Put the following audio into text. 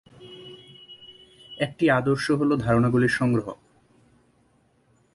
একটি আদর্শ হ'ল ধারণাগুলির সংগ্রহ।